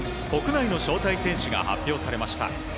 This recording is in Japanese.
国内の招待選手が発表されました。